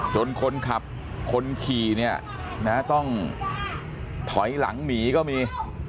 คนขับคนขี่เนี่ยนะต้องถอยหลังหนีก็มี